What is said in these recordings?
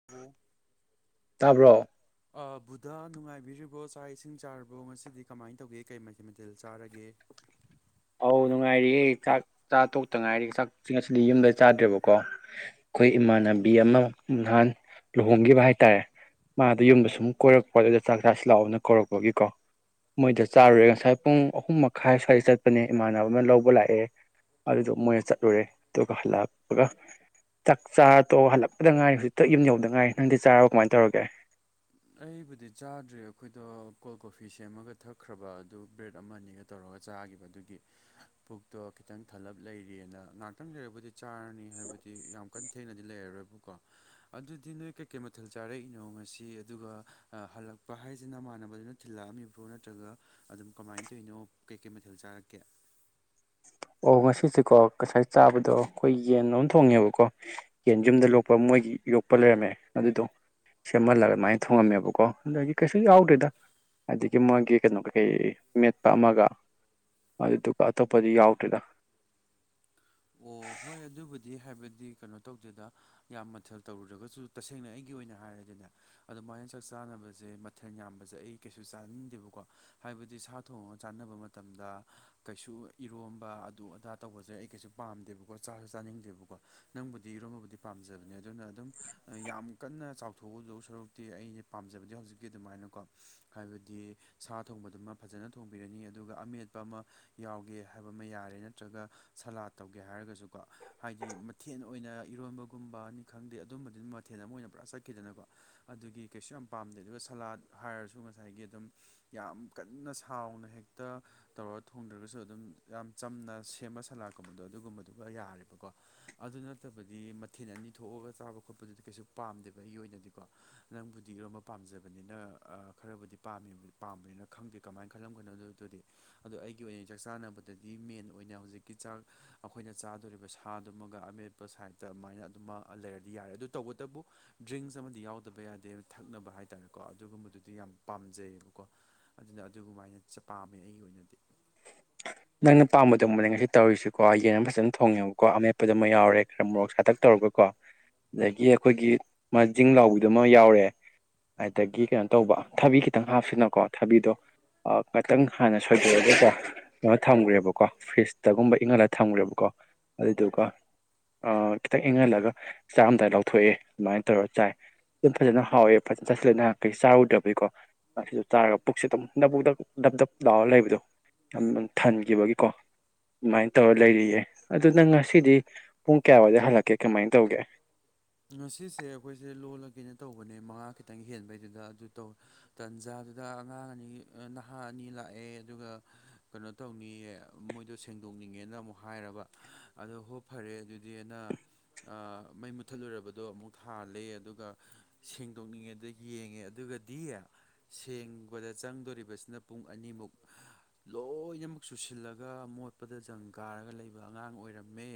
[unintelligible] ꯇꯥꯕ꯭ꯔꯣ ꯑ ꯕꯨꯙꯥ ꯅꯨꯡꯉꯥꯏꯕꯤꯔꯤꯕꯣ ꯆꯥꯛ ꯏꯁꯤꯡ ꯆꯥꯔꯕꯣ ꯉꯁꯤꯗꯤ ꯀꯃꯥꯏꯟ ꯇꯧꯒꯦ ꯀꯩ ꯃꯊꯦꯜ ꯃꯊꯦꯜ ꯆꯥꯔꯒꯦ ꯑꯧ ꯅꯨꯡꯉꯥꯏꯔꯤꯌꯦ ꯆꯥꯛ ꯆꯥꯇꯣꯛꯇ ꯉꯥꯏꯔꯤ ꯆꯥꯛꯁꯤ ꯉꯁꯤꯗꯤ ꯌꯨꯝꯗ ꯆꯥꯗ꯭ꯔꯦꯕꯀꯣ ꯑꯩꯈꯣꯏ ꯏꯃꯥꯟꯅꯕꯤ ꯑꯃ ꯅꯍꯥꯟ ꯂꯨꯍꯣꯡꯒꯤꯕ ꯍꯥꯏꯇꯥꯔꯦ ꯃꯥꯗꯨ ꯌꯨꯝꯗ ꯁꯨꯝ ꯀꯣꯏꯔꯛꯄ ꯑꯗꯨꯗ ꯆꯥꯛ ꯆꯥꯁꯤ ꯂꯥꯛꯑꯣꯅ ꯀꯧꯔꯛꯄꯒꯤꯀꯣ ꯃꯣꯏꯗ ꯆꯥꯔꯨꯔꯦ ꯉꯁꯥꯏ ꯄꯨꯡ ꯑꯍꯨꯝ ꯃꯈꯥꯏ ꯁ꯭ꯋꯥꯏꯗ ꯆꯠ ꯆꯠꯄꯅꯦ ꯏꯃꯥꯟꯕꯑꯃ ꯂꯧꯕ ꯂꯥꯛꯑꯦ ꯑꯗꯨꯗꯣ ꯃꯣꯏꯅ ꯆꯠꯂꯨꯔꯦ ꯑꯗꯨꯒ ꯍꯜꯂꯛꯄꯒ ꯆꯛ ꯆꯥꯔ ꯇꯣ ꯍꯜꯂꯛꯄꯗ ꯉꯥꯏꯔꯤ ꯍꯧꯖꯤꯛꯇ ꯌꯨꯝ ꯌꯧꯗ ꯉꯥꯏꯔꯤ ꯅꯪꯗꯤ ꯆꯥꯔꯕꯣ ꯀꯃꯥꯏꯅ ꯇꯧꯔꯒꯦ ꯑꯩꯕꯨꯗꯤ ꯆꯥꯗ꯭ꯔꯤ ꯑꯈꯣꯏꯗꯣ ꯀꯣꯜ ꯀꯣꯐꯤ ꯁꯦꯝꯃꯒ ꯊꯛꯈ꯭ꯔꯕ ꯑꯗꯨ ꯕ꯭ꯔꯦꯗ ꯑꯃꯅꯤ ꯇꯧꯔꯒ ꯆꯥꯒꯤꯕ ꯑꯗꯨꯒꯤ ꯄꯨꯛꯇꯣ ꯈꯤꯇꯪ ꯊꯜꯂꯞ ꯂꯩꯔꯤꯑꯦꯅ ꯉꯍꯥꯛꯇꯪ ꯂꯩꯔꯕꯨꯗꯤ ꯆꯥꯔꯅꯤ ꯍꯥꯏꯕꯗꯤ ꯌꯥꯝ ꯀꯟ ꯊꯦꯡꯅꯗꯤ ꯂꯩꯔꯔꯣꯏꯕꯀꯣ ꯑꯗꯨꯗꯤ ꯅꯣꯏ ꯀꯩꯀꯩ ꯃꯊꯦꯜ ꯆꯥꯔꯛꯏꯅꯣ ꯉꯁꯤ ꯑꯗꯨꯒ ꯍꯜꯂꯛꯄ ꯍꯥꯏꯖꯤ ꯅꯃꯥꯟꯅꯕꯗꯨꯅ ꯊꯤꯜꯂꯛꯑꯝꯃꯤꯕ꯭ꯔꯣ ꯅꯠꯇ꯭ꯔꯒ ꯑꯗꯨꯝ ꯀꯃꯥꯏꯟ ꯇꯧꯏꯅꯣ ꯀꯩꯀꯩ ꯃꯊꯦꯜ ꯆꯥꯔꯛꯀꯦ ꯑꯣ ꯉꯁꯤꯁꯦꯀꯣ ꯉꯁꯥꯏ ꯆꯥꯕꯗꯣ ꯑꯈꯣꯏ ꯌꯦꯟ ꯑꯃ ꯊꯣꯡꯉꯦꯕꯀꯣ ꯌꯦꯟ ꯌꯨꯝꯗ ꯂꯣꯛꯄ ꯃꯣꯏꯒꯤ ꯌꯣꯛꯄ ꯂꯩꯔꯝꯃꯦ ꯑꯗꯨꯗꯣ ꯁꯦꯝꯍꯜꯂꯒ ꯑꯗꯨꯃꯥꯏꯟ ꯊꯣꯡꯉꯝꯃꯦꯕꯀꯣ ꯑꯗꯒꯤ ꯀꯩꯁꯨ ꯌꯥꯎꯗꯦꯗ ꯑꯗꯒꯤ ꯃꯣꯢꯒꯤ ꯀꯩꯅꯣ ꯀꯩꯀꯩ ꯃꯦꯠꯄ ꯑꯃꯒ ꯑꯗꯨꯗꯨꯒ ꯑꯇꯣꯞꯄꯗꯤ ꯌꯥꯎ ꯗꯦꯗ ꯑꯣ ꯍꯣꯏ ꯑꯗꯨꯕꯨꯗꯤ ꯍꯥꯏꯕꯗꯤ ꯀꯩꯅꯣ ꯇꯧꯗꯦꯗ ꯌꯥꯝ ꯃꯊꯦꯜ ꯇꯧꯔꯨꯗꯔꯒꯁꯨ ꯇꯁꯦꯡꯅ ꯑꯩꯒꯤ ꯑꯣꯏꯅ ꯍꯥꯏꯔꯗꯤꯅꯦ ꯑꯗꯨꯃꯥꯏꯅ ꯆꯥꯛ ꯆꯥꯅꯕꯖꯦ ꯃꯊꯦꯟ ꯌꯥꯝꯕꯖꯦ ꯑꯩ ꯀꯩꯁꯨ ꯆꯥꯅꯤꯡꯗꯦꯕꯀꯣ ꯍꯥꯏꯕꯗꯤ ꯁꯥ ꯊꯣꯡꯉꯒ ꯆꯥꯅꯕ ꯃꯇꯝꯗ ꯀꯩꯁꯨ ꯏꯔꯣꯝꯕ ꯑꯗꯨ ꯑꯗꯥ ꯇꯧꯕꯖꯦ ꯑꯩ ꯀꯩꯁꯨ ꯄꯥꯝꯗꯦꯕꯀꯣ ꯆꯥꯖꯨ ꯆꯥꯅꯤꯡꯗꯦꯕꯀꯣ ꯅꯪꯕꯨꯗꯤ ꯏꯔꯣꯝꯕꯕꯨꯗꯤ ꯄꯥꯝꯖꯕꯅꯦ ꯑꯗꯨꯅ ꯑꯗꯨꯝ ꯌꯥꯝ ꯀꯟꯅ ꯆꯥꯎꯊꯣꯛꯎꯗꯧ ꯁꯔꯨꯛꯇꯤ ꯑꯩꯅꯦ ꯄꯥꯝꯖꯕꯗꯤ ꯍꯧꯖꯤꯛꯀꯤ ꯑꯗꯨꯃꯥꯏꯅꯀꯣ ꯍꯥꯏꯕꯗꯤ ꯁꯥ ꯊꯣꯡꯕꯗꯨꯃ ꯐꯖꯅ ꯊꯣꯡꯕꯤꯔꯅꯤ ꯑꯗꯨꯒ ꯑꯃꯦꯠꯄ ꯑꯃ ꯌꯥꯎꯒꯦ ꯍꯥꯏꯕ ꯑꯃ ꯌꯥꯔꯦ ꯅꯠꯇ꯭ꯔꯒ ꯁꯂꯥꯠ ꯇꯧꯒꯦ ꯍꯥꯏꯔꯒꯖꯨꯀꯣ ꯍꯥꯏꯗꯤ ꯃꯊꯦꯟ ꯑꯣꯏꯅ ꯏꯔꯣꯝꯕꯒꯨꯝꯕꯅꯤ ꯈꯪꯗꯦ ꯑꯗꯨꯝꯕꯗꯨꯗꯤ ꯃꯊꯦꯜ ꯑꯃ ꯑꯣꯏꯅ ꯄꯨꯔꯥ ꯆꯠꯈꯤꯗꯅꯀꯣ ꯑꯗꯨꯒꯤ ꯀꯩꯁꯨ ꯌꯥꯝ ꯄꯥꯝꯗꯦ ꯑꯗꯨꯒ ꯁꯂꯥꯠ ꯍꯥꯏꯔꯁꯨ ꯉꯁꯥꯏꯒꯤ ꯑꯗꯨꯝ ꯌꯥꯝ ꯀꯟꯅ ꯁꯥꯎꯅ ꯍꯦꯛꯇ ꯇꯧꯔꯒ ꯊꯣꯡꯗ꯭ꯔꯒꯁꯨ ꯑꯗꯨꯝ ꯌꯥꯝ ꯆꯝꯅ ꯁꯦꯝꯕ ꯁꯂꯥꯠꯀꯨꯝꯕꯗꯣ ꯑꯗꯨꯒꯨꯝꯕꯗꯨꯒ ꯌꯥꯔꯦꯕꯀꯣ ꯑꯗꯨ ꯅꯠꯇꯕꯗꯤ ꯃꯊꯦꯟ ꯑꯅꯤ ꯊꯣꯛꯑꯒ ꯆꯥꯕ ꯈꯣꯠꯄꯗꯨꯗꯤ ꯀꯩꯁꯨ ꯄꯥꯝꯗꯦꯕ ꯑꯩꯒꯤ ꯑꯣꯏꯅꯗꯤ ꯀꯣ ꯅꯪꯕꯨꯗꯤ ꯏꯔꯣꯝꯕ ꯄꯥꯝꯖꯕꯅꯤꯅ ꯑ ꯈꯔꯕꯨꯗꯤ ꯄꯥꯝꯃꯤ ꯄꯥꯝꯕꯅꯤꯅ ꯈꯪꯗꯦ ꯀꯃꯥꯏꯟ ꯈꯜꯂꯝꯒꯅꯣ ꯑꯗꯨꯗꯤ ꯑꯗꯣ ꯑꯩꯒꯤ ꯑꯣꯏꯅ ꯆꯥꯛ ꯆꯥꯅꯕꯗꯗꯤ ꯃꯦꯟ ꯑꯣꯏꯅ ꯍꯧꯖꯤꯛꯀꯤ ꯆꯥꯛ ꯑꯈꯣꯏꯅ ꯆꯥꯗꯣꯔꯤꯕ ꯁꯥꯗꯨꯃꯒ ꯑꯃꯦꯠꯄ ꯁꯥꯏꯠꯇ ꯑꯃ ꯑꯗꯨꯃ ꯂꯩꯔꯗꯤ ꯌꯥꯔꯦ ꯑꯗꯨ ꯇꯧꯕꯇꯕꯨ ꯗ꯭ꯔꯤꯡꯁ ꯑꯃꯗꯤ ꯌꯥꯎꯗꯕ ꯌꯥꯗꯦ ꯊꯛꯅꯕ ꯍꯥꯏꯇꯥꯥꯔꯦꯀꯣ ꯑꯗꯨꯒꯨꯝꯕꯗꯨꯗꯤ ꯌꯥꯝ ꯄꯥꯝꯖꯩꯌꯦꯕꯀꯣ ꯑꯗꯨꯅ ꯑꯗꯨꯒꯨꯃꯥꯏꯅ ꯆꯥ ꯄꯥꯝꯃꯦ ꯑꯩꯒꯤ ꯑꯣꯏꯅꯗꯤ ꯅꯪꯅ ꯄꯥꯝꯕꯗꯨꯃꯛꯅꯦ ꯉꯁꯤ ꯇꯧꯔꯤꯁꯤꯀꯣ ꯌꯦꯟ ꯑꯃ ꯐꯖꯅ ꯊꯣꯡꯉꯦꯕꯀꯣ ꯑꯃꯦꯠꯄꯗꯨ ꯑꯃ ꯌꯥꯎꯔꯦ ꯈꯔ ꯃꯣꯔꯣꯛ ꯁꯥꯇꯛ ꯇꯧꯔꯒꯀꯣ ꯑꯗꯒꯤ ꯑꯈꯣꯏꯒꯤ ꯃꯥꯖꯤꯡ ꯂꯥꯎꯕꯗꯨꯃ ꯌꯥꯎꯔꯦ ꯑꯗꯒꯤ ꯀꯩꯅꯣ ꯇꯧꯕ ꯊꯕꯤ ꯈꯤꯇꯪ ꯍꯥꯞꯁꯤꯅꯀꯣ ꯊꯕꯤꯗꯣ ꯑ ꯀꯇꯪ ꯍꯥꯟꯅ ꯁꯣꯏꯗꯣꯛꯑꯒ ꯀꯣ ꯀꯩꯅꯣ ꯊꯝꯒ꯭ꯔꯦꯕꯀꯣ ꯐ꯭ꯔꯤꯖꯇꯒꯨꯝꯕ ꯏꯪꯍꯜꯂ ꯊꯝꯒ꯭ꯔꯦꯕꯀꯣ ꯑꯗꯨꯗꯨꯒ ꯑ ꯈꯤꯇꯪ ꯏꯪꯍꯜꯂꯒ ꯆꯥꯔꯝꯗꯥꯏ ꯂꯧꯊꯣꯛꯑꯦ ꯑꯗꯨꯃꯥꯏꯅ ꯇꯧꯔ ꯆꯥꯏ ꯑꯗꯨꯝ ꯐꯖꯅ ꯍꯥꯎꯋꯦ ꯐꯖꯅ ꯆꯥꯁꯤꯜꯂꯦ ꯅꯍ ꯀꯩ ꯆꯥꯔꯨꯗꯕꯩꯩꯀꯣ ꯑꯁꯤꯗ ꯆꯥꯔꯒ ꯄꯨꯛꯁꯤ ꯑꯗꯨꯨꯝ ꯅꯕꯨ ꯗꯕꯨꯛ ꯗꯞꯗꯞ ꯂꯥꯎꯔꯒ ꯂꯩꯕꯗꯣ ꯌꯥꯝ ꯊꯟꯈꯤꯕꯒꯤꯀꯣ ꯑꯗꯨꯃꯥꯏꯅ ꯇꯧꯔ ꯂꯩꯔꯤꯌꯦ ꯑꯗꯨ ꯅꯪ ꯉꯁꯤꯗꯤ ꯄꯨꯡ ꯀꯌꯥꯋꯥꯏꯗ ꯍꯜꯂꯛꯀꯦ ꯀꯃꯥꯏꯅ ꯇꯧꯒꯦ ꯉꯁꯤꯁꯦ ꯑꯩ꯭ꯈꯣꯏꯁꯦ ꯂꯣꯜꯂꯒꯦꯅ ꯇꯧꯕꯅꯦ ꯃꯉꯥ ꯈꯤꯇꯪ ꯍꯦꯟꯕꯩꯗꯨꯗ ꯑꯗꯨ ꯇꯧ ꯇꯟꯖꯥꯗꯨꯗ ꯑꯉꯥꯡ ꯑꯅꯤ ꯅꯍꯥ ꯑꯅꯤ ꯂꯥꯛꯑꯦ ꯑꯗꯨꯒ ꯀꯩꯅꯣ ꯇꯧꯅꯤꯌꯦ ꯃꯣꯏꯗꯣ ꯁꯦꯡꯗꯣꯛꯅꯤꯡꯉꯦꯅ ꯑꯃꯨꯛ ꯍꯥꯏꯔꯕ ꯑꯗꯣ ꯍꯣꯞ ꯐꯔꯦ ꯑꯗꯨꯗꯤꯅ ꯃꯩ ꯃꯨ ꯃꯨꯊꯠꯂꯨꯔꯕꯗꯣ ꯑꯃꯨꯛ ꯊꯥꯜꯂꯦ ꯑꯗꯨꯒ ꯁꯦꯡꯗꯣꯛꯅꯤꯡꯉꯦꯗ ꯌꯦꯡꯉꯦ ꯑꯗꯨꯒꯗꯤ ꯁꯦꯡꯕꯗ ꯆꯪꯗꯧꯔꯤꯕꯁꯤꯅ ꯄꯨꯡ ꯑꯅꯤꯃꯨꯛ ꯂꯣꯏꯅꯃꯛ ꯆꯨꯁꯤꯜꯂꯒ ꯃꯣꯠꯄꯗ ꯖꯪ ꯀꯥꯔꯒ ꯂꯩꯕ ꯑꯉꯥꯡ ꯑꯣꯏꯔꯝꯃꯦ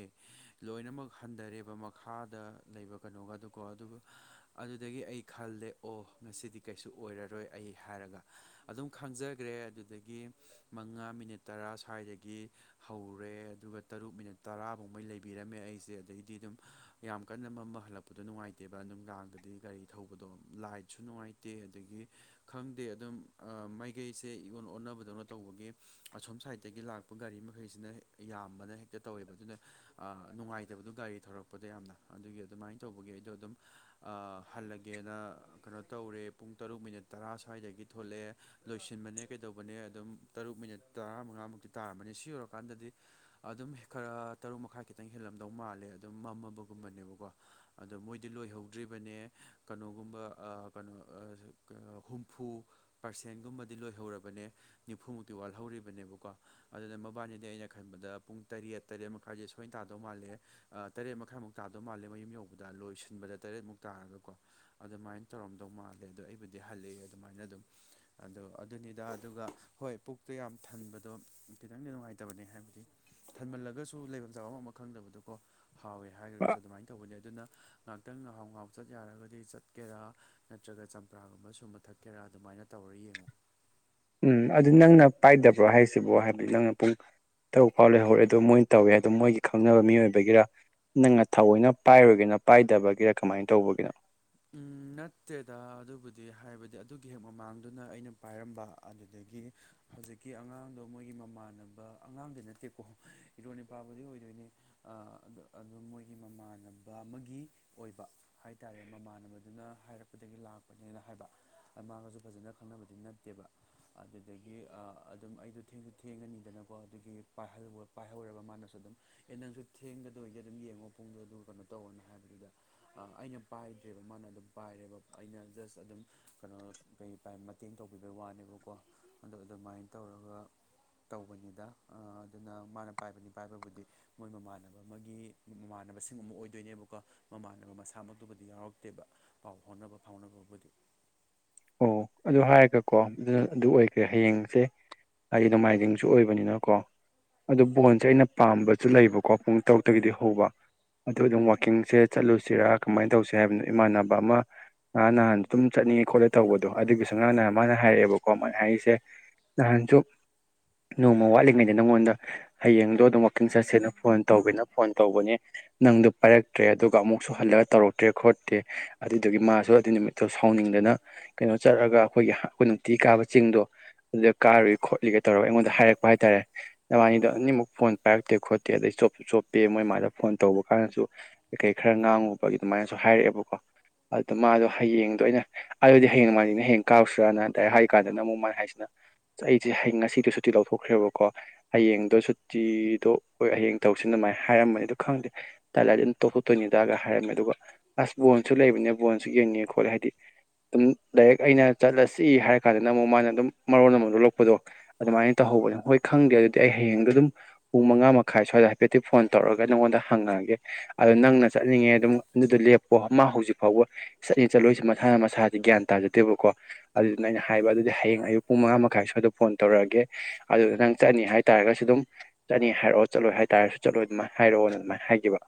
ꯂꯣꯏꯅꯃꯛ ꯍꯟꯊꯔꯦꯕ ꯃꯈꯥꯗ ꯂꯩꯕ ꯀꯩꯅꯣꯒ ꯑꯗꯨ ꯀꯣ ꯑꯗꯨ ꯑꯗꯨꯗꯒꯤ ꯑꯩ ꯈꯜꯂꯦ ꯑꯣ ꯉꯁꯤꯗꯤ ꯀꯩꯁꯨ ꯑꯣꯏꯔꯔꯣꯏ ꯑꯩ ꯍꯥꯏꯔꯒ ꯑꯗꯨꯝ ꯈꯪꯖꯈ꯭ꯔꯦ ꯑꯗꯨꯗꯒꯤ ꯃꯉꯥ ꯃꯤꯅꯤꯠ ꯇꯔꯥ ꯁ꯭ꯋꯥꯏꯗꯒꯤ ꯍꯧꯔꯦ ꯑꯗꯨꯒ ꯇꯔꯨꯛ ꯃꯤꯅꯠ ꯇꯔꯥꯐꯥꯎꯃꯩ ꯂꯩꯕꯤꯔꯝꯃꯦ ꯑꯩꯁꯦ ꯑꯗꯗꯒꯤꯗꯤ ꯑꯗꯨꯝ ꯌꯥꯝ ꯀꯟꯅ ꯃ ꯑꯃ ꯍꯜꯂꯛꯄꯗꯣ ꯅꯨꯡꯉꯥꯏꯇꯦꯕ ꯑꯗꯨꯅꯨꯡ ꯂꯥꯡꯗꯗꯤ ꯒꯥꯔꯤ ꯊꯧꯕꯗꯣ ꯂꯥꯏꯠꯁꯨ ꯅꯨꯡꯉꯥꯏꯇꯦ ꯑꯗꯒꯤ ꯈꯪꯗꯦ ꯑꯗꯨꯝ ꯃꯥꯏꯀꯩꯁꯦ ꯏꯌꯣꯟ ꯑꯣꯟꯅꯕꯗꯧꯅ ꯇꯧꯕꯒꯤ ꯑꯁꯣꯝ ꯁꯥꯏꯠꯇꯒꯤ ꯂꯥꯛꯄ ꯒꯥꯔꯤ ꯃꯈꯩꯁꯤꯅ ꯌꯥꯝꯕꯅ ꯍꯦꯛꯇ ꯇꯧꯋꯦꯕ ꯑꯗꯨꯅ ꯅꯨꯡꯉꯥꯏꯇꯕꯗꯣ ꯒꯥꯔꯤ ꯊꯧꯔꯛꯄꯗ ꯌꯥꯝꯅ ꯑꯗꯨꯒꯤ ꯑꯗꯨꯃꯥꯏꯅ ꯇꯧꯕꯒꯤ ꯑꯩꯗꯣ ꯑꯗꯨꯝ ꯍꯜꯂꯒꯦꯅ ꯀꯩꯅꯣ ꯇꯧꯔꯦ ꯄꯨꯡ ꯇꯔꯨꯛ ꯃꯤꯅꯤꯠ ꯇꯔꯥ ꯁ꯭ꯋꯥꯏꯗꯒꯤ ꯊꯣꯛꯂꯛꯑꯦ ꯂꯣꯏꯁꯤꯟꯕꯅꯦ ꯀꯩꯗꯧꯕꯅꯦ ꯑꯗꯨꯝ ꯇꯔꯨꯛ ꯃꯤꯅꯤꯠ ꯇꯔꯥ ꯃꯉꯥꯃꯨꯛꯇꯤ ꯇꯥꯔꯝꯕꯅꯦ ꯁꯤ ꯑꯣꯏꯔꯀꯥꯟꯗꯗꯤ ꯑꯗꯨꯝ ꯈꯔ ꯇꯔꯨꯛ ꯃꯈꯥꯏ ꯈꯤꯇꯪ ꯍꯦꯜꯂꯝꯗꯧ ꯃꯥꯜꯂꯦ ꯑꯗꯨꯝ ꯃꯝꯃꯕꯒꯨꯝꯕꯅꯦꯕꯀꯣ ꯑꯗꯣ ꯃꯣꯏꯗꯤ ꯂꯣꯏꯍꯧꯗ꯭ꯔꯤꯕꯅꯦ ꯀꯩꯅꯣꯒꯨꯝꯕ ꯀꯩꯅꯣ ꯍꯨꯝꯐꯨ ꯄꯥꯔꯁꯦꯟꯒꯨꯝꯕꯗꯤ ꯂꯣꯏꯍꯧꯔꯕꯅꯦ ꯅꯤꯐꯨꯃꯨꯛꯇꯤ ꯋꯥꯠꯍꯧꯔꯤꯕꯅꯦꯕꯀꯣ ꯑꯗꯨꯅ ꯃꯕꯥꯜꯗꯗꯤ ꯑꯩꯅ ꯈꯟꯕꯗ ꯄꯨꯡ ꯇꯔꯦꯠ ꯇꯔꯦꯠ ꯃꯈꯥꯏꯁꯦ ꯁꯣꯏꯅ ꯇꯥꯗꯧ ꯃꯥꯜꯂꯦ ꯇꯔꯦꯠ ꯃꯈꯥꯏꯃꯨꯛ ꯇꯥꯗꯧ ꯃꯥꯜꯂꯦ ꯃꯌꯨꯝ ꯌꯧꯕꯗ ꯂꯣꯏꯁꯤꯟꯕꯗ ꯇꯔꯦꯠꯃꯨꯛ ꯇꯥꯔꯒꯀꯣ ꯑꯗꯨꯃꯥꯏꯅ ꯇꯧꯔꯝꯗꯧ ꯃꯥꯜꯂꯦ ꯑꯗꯣ ꯑꯩꯕꯨꯗꯤ ꯍꯜꯂꯛꯑꯦ ꯑꯗꯨꯃꯥꯏꯅ ꯑꯗꯨꯝ ꯑ ꯑꯗꯨꯅꯤꯗ ꯑꯗꯨꯒ ꯍꯣꯏ ꯄꯨꯛꯇꯨ ꯌꯥꯝ ꯊꯟꯕꯗꯣ ꯈꯤꯇꯪꯗꯤ ꯅꯨꯡꯉꯥꯏꯇꯕꯅꯦ ꯍꯥꯏꯕꯗꯤ ꯊꯟꯃꯜꯂꯒꯁꯨ ꯂꯩꯐꯝ ꯆꯥꯕꯐꯝ ꯑꯃ ꯈꯪꯗꯕꯗꯨꯀꯣ ꯍꯥꯎꯋꯦ ꯍꯥꯏꯈ꯭ꯔꯒꯁꯨ ꯑꯗꯨꯃꯥꯏꯅ ꯇꯧꯕꯅꯤ ꯑꯗꯨꯅ ꯉꯍꯥꯛꯇꯪ ꯉꯍꯥꯎ ꯉꯍꯥꯎ ꯆꯠ ꯌꯥꯔꯒꯗꯤ ꯆꯠꯀꯦꯔꯥ ꯅꯠꯇ꯭ꯔꯒ ꯆꯝꯄ꯭ꯔꯥꯒꯨꯝꯕ ꯁꯨꯝꯕ ꯊꯛ ꯀꯦꯔꯥ ꯑꯗꯨꯃꯥꯏꯅ ꯇꯧꯔ ꯌꯦꯡꯉꯨ ꯎꯝ ꯑꯗꯨ ꯅꯪꯅ ꯄꯥꯏꯗꯕ꯭ꯔꯣ ꯍꯥꯏꯁꯤꯕꯣ ꯍꯥꯏꯕꯗꯤ ꯅꯪꯅ ꯄꯨꯡ ꯇ ꯐꯥꯎ ꯂꯩꯍꯧꯔꯦ ꯑꯗꯨ ꯃꯣꯏꯅ ꯇꯧꯋꯦ ꯑꯗꯨ ꯃꯣꯏꯒꯤꯪꯅꯕ ꯃꯤꯑꯣꯏꯕꯒꯤꯔꯥ ꯅꯪꯅ ꯊꯑꯣꯏꯅ ꯄꯥꯏꯔꯨꯒꯦꯅ ꯄꯥꯏꯗꯕꯒꯤꯔ ꯀꯃꯥꯏꯅ ꯇꯧꯕꯒꯤꯅꯣ ꯎ ꯅꯠꯇꯦꯗ ꯑꯗꯨꯕꯨꯗꯤ ꯍꯥꯏꯕꯗꯤ ꯑꯗꯨꯒꯤ ꯍꯦꯛ ꯃꯃꯥꯡꯗꯨꯅ ꯑꯩꯅ ꯄꯥꯏꯔꯝꯕ ꯑꯗꯨꯗꯒꯤ ꯍꯧꯖꯤꯛꯀꯤ ꯑꯉꯥꯡꯗꯣ ꯃꯣꯏꯒꯤ ꯃꯃꯥꯟꯅꯕ ꯑꯉꯥꯡꯗꯤ ꯅꯠꯇꯦꯀꯣ ꯏꯔꯣꯟ ꯏꯄꯥꯕꯨꯗꯤ ꯑꯣꯏꯗꯣꯏꯅꯦ ꯑꯗꯨ ꯃꯣꯏꯒꯤ ꯃꯃꯥꯟꯅꯕ ꯑꯃꯒꯤ ꯑꯣꯏꯕ ꯍꯥꯏꯇꯥꯔꯦ ꯃꯃꯥꯟꯅꯕꯗꯨꯅ ꯍꯥꯏꯔꯛꯄꯗꯒꯤ ꯂꯥꯛꯄꯅꯦꯅ ꯍꯥꯏꯕ ꯑꯗ ꯃꯥꯒꯁꯨ ꯐꯖꯅ ꯈꯪꯅꯕꯗꯤ ꯅꯠꯇꯦꯕ ꯑꯗꯨꯗꯒꯤ ꯑꯗꯨꯝ ꯑꯩꯗꯣ ꯊꯦꯡꯁꯨ ꯊꯦꯡꯉꯅꯤꯗꯅꯀꯣ ꯑꯗꯨꯒꯤ ꯄꯥꯏꯍ ꯄꯥꯏꯍꯧꯔꯕ ꯃꯥꯅꯁꯨ ꯑꯗꯨꯝ ꯑꯦ ꯅꯪꯁꯨ ꯊꯦꯡꯒꯗꯣꯏꯁꯦ ꯑꯗꯨꯝ ꯌꯦꯡꯉꯣ ꯄꯨꯡꯗꯣ ꯑꯗꯨꯒ ꯀꯩꯅꯣ ꯇꯧꯔꯅꯤ ꯍꯥꯏꯕꯗꯨꯗ ꯑꯩꯅ ꯄꯥꯏꯗ꯭ꯔꯦꯕ ꯃꯥꯅ ꯑꯗꯨꯝ ꯄꯥꯏꯔꯦꯕ ꯑꯩꯅ ꯖꯁ ꯑꯗꯨꯝ ꯀꯩꯅꯣ ꯀꯩ ꯄꯥꯏ ꯃꯇꯦꯡ ꯇꯧꯕꯤꯕꯩ ꯋꯥꯅꯦꯕ ꯀꯣ ꯑꯗꯣ ꯑꯗꯨꯃꯥꯏꯅ ꯇꯧꯔꯒ ꯇꯧꯕꯅꯤꯗ ꯑꯗꯨꯅ ꯃꯥꯅ ꯄꯥꯏꯕꯅꯤ ꯄꯥꯏꯕꯕꯨꯗꯤ ꯃꯣꯏ ꯃꯃꯥꯟꯅꯕ ꯑꯃꯒꯤ ꯃꯃꯥꯟꯅꯕꯁꯤꯡ ꯑꯃ ꯑꯣꯏꯗꯣꯏꯅꯦꯕꯀꯣ ꯃꯃꯥꯟꯅꯕ ꯃꯁꯥꯃꯛ ꯑꯗꯨꯕꯨꯗꯤ ꯌꯥꯎꯔꯛꯇꯦꯕ ꯄꯥꯎ ꯍꯣꯠꯅꯕ ꯐꯥꯎꯅꯕꯕꯨꯗꯤ ꯑꯣ ꯑꯗꯨ ꯍꯥꯏꯔꯒꯀꯣ ꯑꯗꯨꯅ ꯑꯗꯨ ꯑꯣꯏꯈ꯭ꯔꯦ ꯍꯌꯦꯡꯁꯦ ꯑꯩ ꯅꯣꯡꯃꯥꯏꯗꯤꯡꯁꯨ ꯑꯣꯏꯕꯅꯤꯅꯀꯣ ꯑꯗꯨ ꯕꯣꯟꯁꯦ ꯑꯩꯅ ꯄꯥꯝꯕꯁꯨ ꯂꯩꯕꯀꯣ ꯄꯨꯡ ꯇꯔꯨꯛꯇꯒꯤꯗꯤ ꯍꯧꯕ ꯑꯗꯨ ꯑꯗꯨꯝ ꯋꯥꯛꯀꯤꯡꯁꯦ ꯆꯠꯂꯨꯁꯤꯔꯥ ꯀꯃꯥꯏꯅ ꯇꯧꯁꯦ ꯍꯥꯏꯕꯅꯣ ꯏꯃꯥꯟꯅꯕ ꯑꯃ ꯅꯍꯥꯟ ꯅꯍꯥꯟ ꯑꯗꯨꯝ ꯆꯠꯅꯤꯡ ꯈꯣꯠꯂꯦ ꯇꯧꯕꯗꯣ ꯑꯗꯨꯒꯤꯁꯨ ꯑꯉꯥꯡꯅ ꯃꯥꯅ ꯍꯥꯏꯔꯛꯑꯦꯕꯀꯣ ꯃꯥꯅ ꯍꯥꯏꯔꯤꯁꯦ ꯅꯍꯥꯟꯁꯨ ꯅꯣꯡꯃ ꯋꯥꯠꯂꯤꯉꯩꯗ ꯅꯪꯉꯣꯟꯗ ꯍꯌꯦꯡꯗꯣ ꯑꯗꯨꯝ ꯋꯥꯥꯛꯀꯤꯡ ꯆꯠꯁꯦꯅ ꯐꯣꯟ ꯇꯧꯒꯦꯅ ꯐꯣꯟ ꯇꯧꯕꯅꯦ ꯅꯪꯗ ꯄꯥꯏꯔꯛꯇ꯭ꯔꯦ ꯑꯗꯨꯒ ꯑꯃꯨꯛꯁꯨ ꯍꯜꯂꯒ ꯇꯧꯔꯛꯇ꯭ꯔꯦ ꯈꯣꯠꯇꯦ ꯑꯗꯨꯗꯨꯒꯤ ꯃꯥꯁꯨ ꯑꯗꯨꯏ ꯅꯨꯃꯤꯠꯇꯣ ꯁꯥꯎꯅꯤꯡꯗꯅ ꯀꯩꯅꯣ ꯆꯠꯔꯒ ꯑꯩꯈꯣꯏꯒꯤ ꯑꯩꯈꯣꯏ ꯅꯨꯡꯇꯤ ꯀꯥꯕ ꯆꯤꯡꯗꯣ ꯑꯗꯨꯗ ꯀꯥꯔꯨꯏ ꯈꯣꯠꯂꯤꯒ ꯇꯧꯔꯒ ꯑꯩꯉꯣꯟꯗ ꯍꯥꯏꯔꯛꯄ ꯍꯥꯏꯇꯥꯔꯦ ꯅꯕꯥꯅꯤꯗꯣ ꯑꯅꯤꯃꯨꯛ ꯐꯣꯟ ꯄꯥꯏꯔꯛꯇꯦ ꯈꯣꯠꯇꯦ ꯑꯗꯩ ꯆꯣꯞꯁꯨ ꯆꯣꯞꯄꯇꯦ ꯃꯣꯏꯃꯥꯗ ꯐꯣꯟ ꯇꯧꯕ ꯀꯥꯟꯗꯁꯨ ꯀꯩ ꯀꯩ ꯈꯔ ꯉꯥꯡꯉꯨꯕꯒꯤ ꯑꯗꯨꯃꯥꯏꯅꯁꯨ ꯍꯥꯏꯔꯛꯑꯦꯕꯀꯣ ꯑꯗꯨ ꯃꯥꯗꯣ ꯍꯌꯦꯡꯗꯣ ꯑꯩꯅ ꯑꯗꯨꯗꯤ ꯍꯌꯦꯡ ꯃꯥꯥꯏꯁꯤꯅ ꯍꯡ ꯀꯥꯎꯔꯁꯤꯔꯥꯅꯗꯥꯏ ꯍꯥꯏꯔꯤ ꯀꯥꯟꯗꯅ ꯑꯃꯨꯛ ꯃꯥꯏꯅ ꯍꯥꯏꯁꯤꯅ ꯑꯩꯁꯦ ꯍꯌꯦꯡ ꯉꯁꯤꯗꯤꯣ ꯁꯨꯇꯤ ꯂꯧꯊꯣꯛꯈ꯭ꯔꯦꯕꯀꯣ ꯍꯌꯦꯡꯗꯣ ꯁꯨꯇꯤꯗꯣ ꯑꯣꯏ ꯍꯌꯦꯡ ꯇꯧꯁꯤ ꯑꯗꯨꯃꯥꯏꯅ ꯍꯥꯏꯔꯝꯝꯕꯅꯤꯗꯣ ꯈꯪꯗꯦ ꯇꯂꯗꯤ ꯑꯗꯨꯝ ꯇꯣꯛꯊꯣꯛꯇꯣꯏꯅꯤꯗꯒ ꯍꯥꯏꯔꯝꯃꯦ ꯑꯗꯨꯒ ꯑꯁ ꯕꯣꯟꯁꯨ ꯂꯩꯕꯅꯦ ꯕꯣꯟꯁꯨ ꯌꯦꯡꯅꯤ ꯈꯣꯠꯂꯦ ꯍꯥꯏꯗꯤ__ ꯗꯨꯝ ꯗꯥꯏꯔꯦꯛ ꯑꯩꯅ ꯆꯠꯂꯁꯤ ꯍꯥꯏꯔ ꯀꯥꯟꯗꯅ ꯑꯃꯨꯛ ꯃꯥꯅ ꯑꯗꯨꯝ ꯃꯔꯣꯟꯜ ꯑꯃ ꯊꯣꯛꯂꯛꯄꯗꯣ__ ꯑꯗꯨꯃꯥꯏꯅ ꯇꯧꯍꯧꯕꯅꯦ ꯍꯣꯏ ꯈꯪꯗꯦ ꯑꯗꯨꯗꯤ ꯑꯩ ꯍꯌꯦꯡꯗ ꯑꯗꯨꯝ ꯄꯨꯡ ꯃꯉꯥ ꯃꯈꯥꯏ ꯁ꯭ꯋꯥꯏꯗ ꯍꯥꯏꯐꯦꯠꯇꯤ ꯐꯣꯟ ꯇꯧꯔꯒ__ ꯕꯥꯏꯅꯪꯉꯣꯟꯗ ꯍꯪꯉꯛꯑꯒꯦ ꯑꯗꯣ ꯅꯪꯅ ꯆꯠꯅꯤꯡꯉꯦ ꯑꯗꯨꯝ ꯑꯗꯨꯗ ꯂꯦꯞꯄꯣ ꯃꯥ ꯍꯧꯖꯤꯛ ꯐꯥꯎꯕ__ ꯆꯠꯅꯤ ꯆꯠꯂꯣꯏꯁꯦ ꯃꯁꯥꯅ ꯃꯁꯥꯗꯤ ꯒ꯭ꯌꯥꯟ ꯇꯥꯖꯗꯦꯕꯀꯣ꯫ ꯑꯗꯨꯗꯨꯅ ꯑꯩꯅ ꯍꯥꯏꯕ ꯑꯗꯨꯗꯤ ꯍꯌꯦꯡ ꯑꯌꯨꯛ ꯄꯨꯡ ꯃꯉꯥ ꯃꯈꯥꯏ ꯁ꯭ꯋꯥꯏꯗ ꯐꯣꯟ ꯇꯧꯔꯛꯑꯒꯦ ꯑꯗꯨꯗ ꯅꯪ ꯆꯠꯅꯤ ꯍꯥꯏ__ ꯇꯥꯥꯏꯔꯒꯁꯨ ꯑꯗꯨꯝ ꯆꯠꯅꯤ ꯍꯥꯏꯔꯛꯑꯣ ꯆꯠꯂꯣꯏ ꯍꯥꯏꯇꯥꯔꯁꯨ ꯆꯠꯂꯣꯏ ꯑꯗꯝ ꯍꯥꯏꯔꯛꯑꯣꯅ ꯑꯗꯨꯃꯥꯏꯅ ꯍꯥꯏꯈꯤꯕ꯫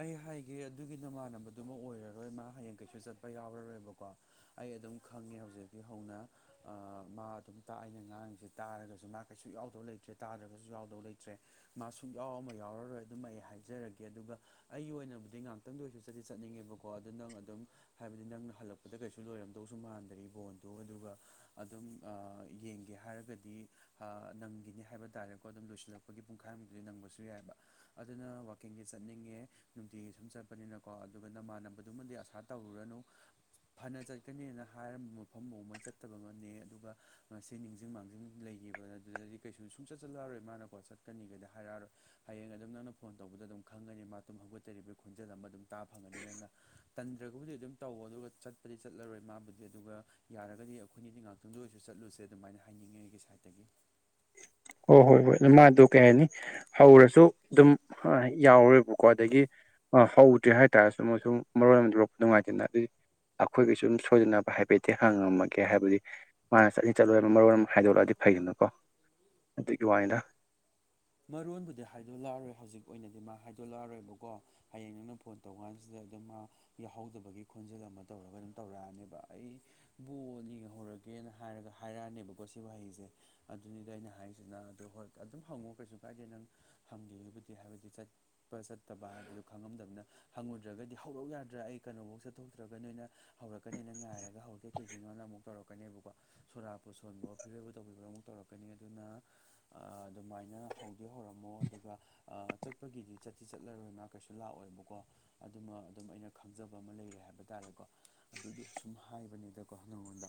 ꯑꯩ ꯍꯥꯏꯒꯦ ꯑꯗꯨꯒꯤ ꯅꯃꯥꯟꯅꯕꯗꯨꯃ ꯑꯣꯏꯔꯔꯣꯏ ꯃꯥ ꯍꯌꯦꯡ ꯀꯩꯁꯨ ꯆꯠꯄ ꯌꯥꯎꯔꯔꯣꯏꯕꯀꯣ꯫ ꯑꯩ ꯑꯗꯨꯝ ꯈꯪꯉꯦ ꯍꯧꯖꯤꯛꯀꯤ ꯍꯧꯅ꯫ ꯑꯥ ꯃꯥ ꯑꯗꯨꯝ ꯇꯥꯛ ꯑꯩꯅ ꯉꯥꯡꯉꯤꯁꯦ ꯇꯥꯔꯒꯁꯨ ꯃꯥ ꯀꯩꯁꯨ ꯌꯥꯎꯗꯕ ꯂꯩꯇ꯭ꯔꯦ ꯇꯥꯗ꯭ꯔꯒꯁꯨ ꯌꯥꯎꯗꯕ ꯂꯩꯇ꯭ꯔꯦ꯫ ꯃꯥ ꯁꯨꯡ ꯌꯥꯎ ꯑꯃ ꯌꯥꯎꯔꯔꯣꯏ ꯑꯗꯨꯃ ꯑꯩ ꯍꯥꯏꯖꯔꯒꯦ ꯑꯗꯨꯒ__ ꯑꯩꯒꯤ ꯑꯣꯏꯅꯕꯨꯗꯤ ꯉꯥꯏꯍꯥꯛꯇꯪꯗ ꯑꯣꯏꯔꯁꯨ ꯆꯠꯗꯤ ꯆꯠꯅꯤꯡꯉꯦꯕꯀꯣ ꯑꯗꯣ ꯅꯪ ꯑꯗꯨꯝ__ ꯍꯥꯏꯕꯗꯤ ꯅꯪꯅ ꯍꯜꯂꯛꯄꯗ ꯀꯩꯁꯨ ꯂꯣꯏꯔꯝꯗꯧꯁꯨ ꯃꯥꯟꯗꯔꯤ ꯕꯣꯟꯗꯣ ꯑꯗꯨꯒ ꯑꯗꯨꯝ__ ꯑꯥ ꯌꯦꯡꯒꯦ ꯍꯥꯏꯔꯒꯗꯤ__ ꯍꯥ ꯅꯪꯒꯤꯅꯤ ꯍꯥꯏꯕ ꯇꯥꯔꯦꯀꯣ ꯑꯗꯨꯝ ꯂꯣꯏꯁꯤꯜꯂꯛꯄꯒꯤ ꯄꯨꯡꯈꯥꯏꯃꯨꯛꯇꯗꯤ ꯅꯪꯕꯁꯨ ꯌꯥꯏꯑꯕ꯫ ꯑꯗꯨꯅ ꯋꯥꯛꯀꯤꯡꯖꯦ ꯆꯠꯅꯤꯡꯉꯦ꯫ ꯅꯨꯡꯇꯤꯒꯤ ꯁꯨꯝ ꯆꯠꯄꯅꯤꯅꯀꯣ ꯑꯗꯨꯒ ꯅꯃꯥꯟꯅꯕꯗꯨꯃꯗꯤ ꯑꯁꯥ ꯇꯧꯔꯨꯔꯅꯨ꯫ ꯐꯅ ꯆꯠꯀꯅꯦꯅ ꯍꯥꯏꯔꯝꯕ ꯃꯐꯝꯐꯥꯎꯃꯩ ꯆꯠꯇꯕꯃꯅꯦ ꯑꯗꯨꯒ ꯉꯁꯤ__ ꯑꯩ ꯅꯤꯡꯁꯤꯡ ꯃꯥꯡꯖꯤꯡ ꯂꯩꯈꯤꯕ ꯑꯗꯨꯗꯗꯤ ꯀꯩꯁꯨ ꯁꯨꯝ ꯆꯠ ꯆꯠꯂꯛꯑꯔꯣꯏ ꯃꯥꯅꯀꯣ ꯆꯠꯀꯅꯤꯒꯩꯗ ꯍꯥꯏꯔꯛꯑꯔꯣꯏ꯫ ꯍꯌꯦꯡ ꯑꯗꯨꯝ ꯅꯪꯅ ꯐꯣꯟ ꯇꯧꯕꯗ ꯑꯗꯨꯝ ꯈꯪꯒꯅꯤ ꯃꯥ ꯇꯨꯝ ꯍꯧꯒꯠꯇꯔꯤꯕꯩ ꯈꯣꯟꯖꯦꯜ ꯑꯃ ꯑꯗꯨꯝ ꯇꯥ ꯐꯪꯒꯅꯤ ꯅꯪꯅ꯫ ꯇꯟꯗ꯭ꯔꯒꯕꯨꯗꯤ ꯑꯗꯨꯝ ꯇꯧꯋꯣ ꯑꯗꯨꯒ ꯆꯠꯄꯗꯤ ꯆꯠꯂꯔꯣꯏ ꯃꯥꯕꯨꯗꯤ ꯑꯗꯨꯒ__ ꯌꯥꯔꯒꯗꯤ ꯑꯩꯈꯣꯏꯅꯤꯗꯤ ꯉꯥꯛꯇꯪꯗ ꯑꯣꯏꯔꯁꯨ ꯆꯠꯂꯨꯁꯦ ꯑꯗꯨꯃꯥꯏꯅ ꯍꯥꯏꯅꯤꯡꯉꯦ ꯑꯩꯒꯤ ꯁꯥꯏꯠꯇꯒꯤ꯫ ꯍꯣꯏ ꯍꯣꯏ ꯍꯣꯏ ꯑꯗꯨ ꯃꯥꯗꯣ ꯀꯩ ꯍꯥꯏꯅꯤ ꯍꯧꯔꯁꯨ ꯑꯗꯨꯝ__ ꯍꯣꯏ ꯌꯥꯎꯔꯣꯏꯕꯀꯣ ꯑꯗꯒꯤ__ ꯑ ꯍꯧꯗ꯭ꯔꯦ ꯍꯥꯏꯇꯥꯔꯦꯁꯨ ꯑꯃꯁꯨꯝ ꯃꯔꯣꯏ ꯑꯃ ꯂꯣꯛꯄ ꯅꯨꯡꯉꯥꯏꯇꯦꯅ ꯑꯗꯨꯏ__ ꯑꯩꯈꯣꯏꯒꯤ ꯁꯨꯝ ꯁꯣꯏꯗꯅꯕ ꯍꯥꯏꯐꯦꯠꯇꯤ ꯍꯪꯉꯝꯃꯒꯦ ꯍꯥꯏꯕꯗꯤ ꯃꯥꯅ ꯆꯠꯅꯤ ꯆꯠꯂꯣꯏꯕ ꯃꯔꯣꯜ__ ꯍꯥꯏꯗꯣꯔꯛꯑꯗꯤ ꯐꯩꯗꯅꯀꯣ ꯑꯗꯨꯒꯤ ꯋꯥꯅꯤꯗ꯫ ꯃꯔꯣꯟꯕꯨꯗꯤ ꯍꯥꯏꯗꯣꯛꯂꯛꯑꯔꯣꯏ ꯍꯧꯖꯤꯛ ꯑꯣꯏꯅꯗꯤ ꯃꯥ ꯍꯥꯏꯗꯣꯛꯂꯛꯑꯔꯣꯏꯕꯀꯣ꯫ ꯍꯌꯦꯡ ꯅꯪꯅ ꯐꯣꯟ ꯇꯧꯕ ꯀꯥꯟꯁꯤꯗ ꯑꯗꯨꯝ ꯃꯥ__ ꯌꯥꯎꯍꯧꯗꯕꯒꯤ ꯈꯣꯟꯖꯦꯜ ꯑꯃ ꯇꯧꯔꯒ ꯑꯗꯨꯝ ꯇꯧꯔꯛꯑꯅꯦꯕ ꯑꯩ__ ꯕꯣꯅꯤꯡꯍꯧꯔꯒꯦꯅ ꯍꯥꯏꯔꯒ ꯍꯥꯏꯔꯛꯑꯅꯦꯕꯀꯣ ꯁꯤ ꯋꯥꯍꯩꯁꯦ꯫ ꯑꯗꯨꯅꯤꯗ ꯑꯩꯅ ꯍꯥꯏꯔꯤꯁꯤꯅ ꯑꯗꯣ ꯍꯣꯏ ꯑꯗꯨꯝ ꯍꯪꯉꯣ ꯀꯩꯁꯨ ꯀꯥꯏꯗꯦ ꯅꯪ__ ꯍꯪꯒꯦꯕꯨꯗꯤ ꯍꯥꯏꯕꯗꯤ ꯆꯠ__ ꯆꯠꯄ ꯆꯠꯇꯕ ꯍꯥꯏꯕꯗꯨ ꯈꯪꯉꯝꯗꯕꯅ ꯍꯪꯉꯨꯗ꯭ꯔꯒꯗꯤ ꯍꯧꯔꯛꯎꯌꯥꯗ꯭ꯔꯥ ꯑꯩ ꯀꯩꯅꯣꯐꯧ ꯆꯠꯊꯣꯛꯇ꯭ꯔꯒ ꯅꯣꯏꯅ__ ꯍꯧꯔꯛꯀꯅꯤꯑꯦꯅ ꯉꯥꯏꯔꯒ ꯍꯧꯔꯛꯛꯇꯦ ꯀꯩꯒꯤꯅꯣꯅ ꯑꯃꯨꯛ ꯇꯧꯔꯛꯀꯅꯦꯕꯀꯣ꯫ ꯁꯣꯔꯥꯠꯄꯨ ꯁꯣꯟꯕꯑꯣ ꯐꯤꯔꯣꯏꯕꯨ ꯇꯧꯕꯤꯕꯔ ꯑꯃꯨꯛ ꯇꯧꯔꯛꯀꯅꯤ ꯑꯗꯨꯅ ꯑꯥ-ꯗꯨꯃꯥꯏꯅ__ ꯍꯧꯗꯤ ꯍꯧꯔꯝꯃꯣ ꯑꯗꯨꯒ ꯑꯥ ꯆꯠꯄꯒꯤꯗꯤ ꯆꯠꯇꯤ ꯆꯠꯂꯔꯣꯏ ꯃꯥ ꯀꯩꯁꯨ ꯂꯥꯛꯑꯣꯏꯕꯀꯣ꯫ ꯑꯗꯨꯃ ꯑꯗꯨꯝ ꯑꯩꯅ ꯈꯪꯖꯕ ꯑꯃ ꯂꯩꯔꯦ ꯍꯥꯏꯕ ꯇꯥꯔꯦꯀꯣ꯫ ꯑꯗꯨꯗꯨ ꯁꯨꯝ ꯍꯥꯏꯕꯅꯤꯗꯀꯣ ꯅꯪꯉꯣꯟꯗ꯫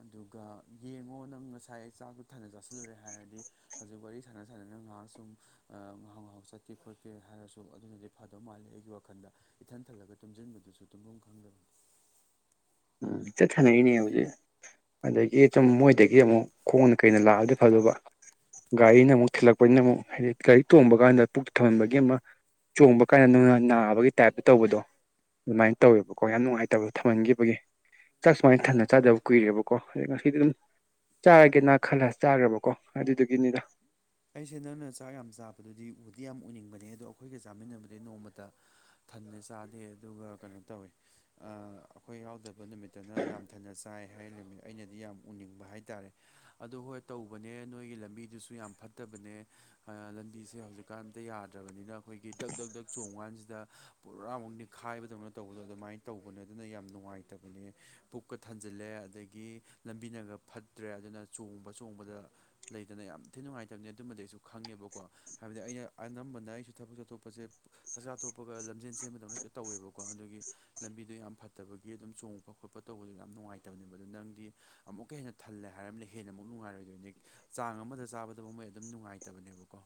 ꯑꯗꯨꯒ ꯌꯦꯡꯉꯣ ꯅꯪ ꯉꯁꯥꯏ ꯑꯩ ꯆꯥꯛꯇꯣ ꯊꯥꯅ ꯆꯥꯁꯤꯜꯂꯨꯔꯦ ꯍꯥꯏꯔꯗꯤ ꯍꯧꯖꯤꯛ ꯋꯥꯔꯤ ꯁꯥꯟꯅ ꯁꯥꯟꯅ__ ꯅꯪꯉꯍꯥꯛ ꯁꯨꯝ ꯑ ꯉꯥꯍꯧꯉꯥꯍꯧ ꯆꯠꯀꯦ ꯈꯣꯠꯀꯦ ꯍꯥꯏꯔꯁꯨ ꯑꯗꯨꯅꯗꯤ ꯐꯗꯧ ꯃꯥꯜꯂꯤ ꯑꯩꯒꯤ ꯋꯥꯈꯜꯗ꯫ ꯏꯊꯟ ꯊꯜꯂꯒ ꯇꯨꯝꯖꯤꯟꯕꯗꯨꯁꯨ ꯇꯨꯝꯐꯝ ꯈꯪꯗꯕꯅꯤ꯫ ꯆꯠꯊꯅꯔꯤꯅꯦ ꯍꯧꯖꯤꯛ ꯑꯗꯒꯤ ꯆꯨꯝ ꯃꯣꯏꯗꯒꯤ ꯑꯃꯨꯛ__ ꯈꯣꯡꯅ ꯀꯩꯅ ꯂꯥꯛꯑꯗꯤ ꯐꯗꯨꯕ꯫ ꯒꯥꯔꯤꯅ ꯑꯃꯨꯛ ꯊꯤꯜꯂꯛꯄꯅꯤꯅ ꯑꯃꯨꯛ ꯍꯥꯏꯗꯤ ꯒꯥꯔꯤ ꯇꯣꯡꯕ ꯀꯥꯟꯗ ꯄꯨꯛ ꯊꯝꯍꯟꯕꯒꯤ ꯑꯃ__ ꯆꯣꯡꯕ ꯀꯥꯟꯗ ꯅꯪꯅ ꯅꯥꯕꯒꯤ ꯇꯥꯏꯞꯇ ꯇꯧꯕꯗꯣ__ ꯑꯗꯨꯃꯥꯏꯅ ꯇꯧꯋꯦꯕꯀꯣ ꯌꯥꯝ ꯅꯨꯡꯉꯥꯏꯇꯕꯗꯣ ꯊꯃꯟꯈꯤꯕꯒꯤ꯫ ꯆꯥꯛ ꯁꯨꯃꯥꯏꯅ ꯊꯟꯅ ꯑꯣ ꯆꯥꯗꯕ ꯀꯨꯏꯔꯦꯕꯀꯣ ꯑꯗꯩ ꯉꯁꯤꯗꯤ ꯑꯗꯨꯝ ꯆꯥꯔꯒꯦꯅ ꯈꯜꯂ ꯆꯥꯈ꯭ꯔꯕꯀꯣ꯫ ꯑꯗꯨꯗꯨꯒꯤꯅꯤꯗ__ ꯑꯩꯁꯦ ꯅꯪꯅ ꯆꯥꯛ ꯌꯥꯝ ꯆꯥꯕꯗꯨꯗꯤ ꯎꯗꯤ ꯌꯥꯝ ꯎꯅꯤꯡꯕꯅꯤ ꯑꯗꯣ ꯑꯩꯈꯣꯏꯒ ꯆꯥꯃꯤꯟꯅꯕꯗꯤ ꯅꯣꯡꯃꯇ__ ꯊꯟꯗꯦ ꯆꯥꯗꯦ ꯑꯗꯨꯒ ꯀꯩꯅꯣ ꯇꯧꯋꯦ ꯑ ꯑꯩꯈꯣꯏ ꯌꯥꯎꯗꯕ ꯅꯨꯃꯤꯠꯇꯨꯅ ꯌꯥꯝ ꯊꯅ ꯆꯥꯏ ꯍꯥꯏ ꯅꯨꯃꯤꯠ ꯑꯩꯅꯗꯤ ꯌꯥꯝ ꯎꯅꯤꯡꯕ ꯍꯥꯏꯇꯥꯔꯦ ꯑꯗꯨꯗꯣ ꯍꯣꯏ ꯇꯧꯕꯅꯦ ꯅꯣꯏꯒꯤ ꯂꯝꯕꯤꯗꯨꯁꯨ ꯌꯥꯝ ꯐꯠꯇꯕꯅꯦ ꯂꯝꯕꯤꯁꯦ ꯍꯧꯖꯤꯛꯀꯥꯟꯗ ꯌꯥꯗ꯭ꯔꯕꯅꯤꯅ ꯑꯩꯈꯣꯏꯒꯤ ꯗꯛ ꯗꯛ ꯗꯛ ꯆꯣꯡ ꯀꯥꯟꯁꯤꯗ ꯄꯨꯔꯥꯃꯨꯛ ꯅꯤꯡꯅꯤꯈꯥꯏꯕꯗꯧꯅ ꯇꯧꯕꯗꯣ ꯑꯗꯨꯃꯥꯏꯅ ꯇꯧꯕꯅꯦ ꯑꯗꯨꯅ ꯌꯥꯝ ꯅꯨꯡꯉꯥꯏꯇꯕꯅꯦ ꯄꯨꯛꯀ ꯊꯥꯟꯖꯜꯂꯦ ꯑꯗꯒꯤ ꯂꯝꯕꯤꯅꯒ ꯐꯠꯇ꯭ꯔꯦ ꯑꯗꯨꯅ ꯆꯣꯡꯕ ꯆꯣꯡꯕꯗ ꯂꯩꯗꯅ ꯌꯥꯝ ꯊꯤ ꯅꯨꯡꯉꯥꯏ ꯍꯥꯏꯕꯅꯤ ꯑꯗꯨꯃꯗꯩ ꯑꯩꯁꯨ ꯈꯪꯉꯦꯕꯀꯣ ꯍꯥꯏꯕꯗꯤ ꯑꯩꯅ ꯑꯅꯝꯕꯅ ꯑꯩꯁꯨ ꯊꯕꯛ ꯆꯠꯊꯣꯛꯄꯁꯦ ꯆꯥꯛꯆꯥ ꯊꯣꯛꯄꯒ ꯂꯝꯖꯦꯟ ꯁꯦꯝꯕꯗꯧꯅꯛꯇ ꯇꯧꯋꯦꯕꯀꯣ ꯑꯗꯨꯒꯤ ꯂꯝꯕꯤꯗꯣ ꯌꯥꯝ ꯐꯠꯇꯕꯒꯤ ꯑꯗꯨꯝ ꯆꯣꯡꯕ ꯈꯣꯠꯄ ꯇꯧꯕꯗ ꯌꯥꯝ ꯅꯨꯡꯉꯥꯏꯇꯕꯅꯦꯕ ꯑꯗꫭ ꯅꯪꯗꯤ ꯑꯃꯨꯛꯀ ꯍꯦꯟꯅ ꯊꯜꯂꯦ ꯍꯥꯏꯔꯔꯕꯅ ꯍꯦꯟꯅ ꯑꯃꯨꯛ ꯅꯨꯡꯉꯥꯏꯔꯣꯏꯗꯣꯏꯅꯤ ꯆꯥꯡ ꯑꯃꯗ ꯆꯥꯕꯗ ꯑꯗꯨꯕꯨ ꯃꯣꯏ ꯑꯗꯨꯝ ꯅꯨꯡꯉꯥꯏꯇꯕꯅꯦꯕꯀꯣ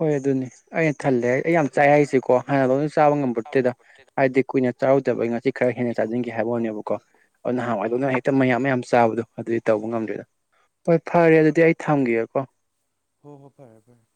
ꯍꯣꯏ ꯑꯗꯨꯅꯦ ꯑꯩꯅ ꯊꯜꯂꯦ ꯑꯩ ꯌꯥꯝ ꯆꯥꯏꯦ ꯍꯥꯏꯁꯤꯀꯣ ꯍꯥꯟꯅ ꯂꯣꯏꯅ ꯆꯥꯕ ꯉꯝꯕꯗꯨꯗ ꯍꯥꯏꯗꯤ ꯀꯨꯏꯅ ꯆꯥꯔꯨꯗꯕꯒꯤ ꯉꯁꯤ ꯈꯔ ꯍꯦꯟꯅ ꯆꯥꯁꯤꯟꯈꯤꯕ ꯍꯥꯏꯕꯅꯦꯕꯀꯣ ꯑꯗꯨ ꯅꯍꯥꯟꯋꯥꯏꯗꯧꯅ ꯍꯦꯛꯇ ꯃꯌꯥꯝ ꯃꯌꯥꯝ ꯆꯥꯕꯗꯣ ꯑꯗꯨꯗꯤ ꯇꯧꯕ ꯉꯝꯗ꯭ꯔꯦꯗ ꯍꯣꯏ ꯐꯔꯦ ꯑꯗꯨꯗꯤ ꯑꯩ ꯊꯝꯒꯦꯀꯣ ꯍꯣ ꯍꯣ ꯐꯔꯦ ꯐꯔꯦ